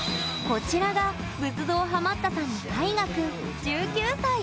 こちらが仏像ハマったさんのたいがくん、１９歳。